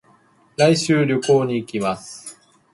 来週、旅行に行きます。